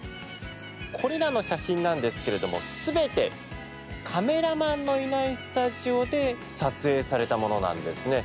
これらの写真なんですけれどもすべてカメラマンのいないスタジオで撮影されたものなんですね。